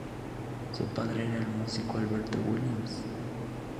Su padre era el músico Alberto Williams.